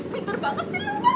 bintur banget sih lo bang